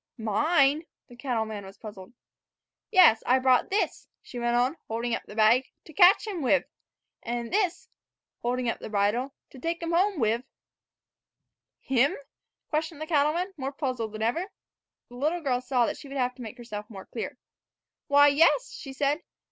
"Mine?" The cattleman was puzzled. "Yes: I brought this," she went on, holding up the bag, "to catch him wiv; and this," holding up the bridle, "to take him home wiv." "Him?" questioned the cattleman, more puzzled than ever. The little girl saw that she would have to make herself more clear. "Why, yes," she said.